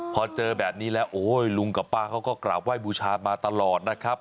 พอเจอแบบนี้แล้วโอ้ยลุงกับป้าเขาก็กราบไห้บูชามาตลอดนะครับ